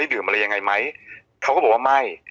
เขาก็บอกว่าไม่